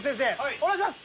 お願いします。